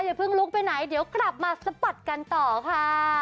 อย่าเพิ่งลุกไปไหนเดี๋ยวกลับมาสะบัดกันต่อค่ะ